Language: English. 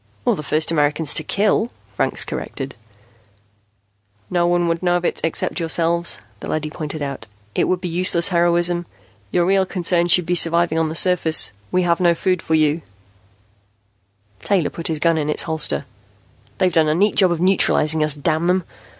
"Or the first Americans to kill," Franks corrected. "No one would know of it except yourselves," the leady pointed out. "It would be useless heroism. Your real concern should be surviving on the surface. We have no food for you, you know." Taylor put his gun in its holster. "They've done a neat job of neutralizing us, damn them.